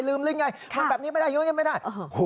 ลืมเลยไงมันแบบนี้ไม่ได้